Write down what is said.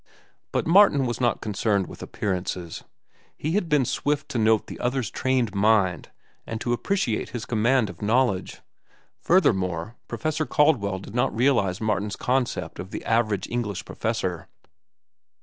But Martin was not concerned with appearances! He had been swift to note the other's trained mind and to appreciate his command of knowledge. Furthermore, Professor Caldwell did not realize Martin's concept of the average English professor.